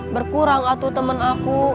berkurang atuh temen aku